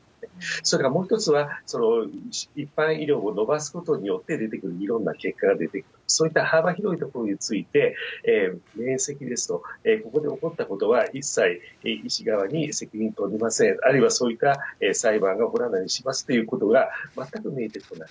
それからもう一つは、その一般医療を延ばすことによって出てくるいろんな結果、そういった幅広いところについて、免責ですと、そこで起こったことは一切医師側に責任等ありません、あるいはそういった裁判が行われたりしますということが全く見えてこない。